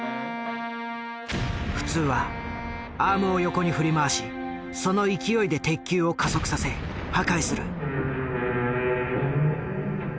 普通はアームを横に振り回しその勢いで鉄球を加速させ破壊する。